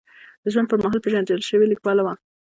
د ژوند پر مهال پېژندل شوې لیکواله وه.